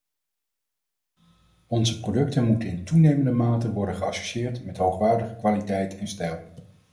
Onze producten moeten in toenemende mate worden geassocieerd met hoogwaardige kwaliteit en stijl.